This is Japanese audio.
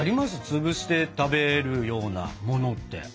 つぶして食べるようなものって。